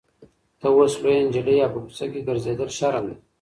ته اوس لویه نجلۍ یې او په کوڅه کې ګرځېدل شرم دی.